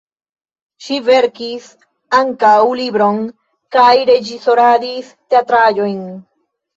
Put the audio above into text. Ŝi verkis ankaŭ libron kaj reĝisoradis teatraĵojn.